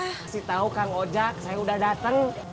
kasih tau kang ojak saya udah dateng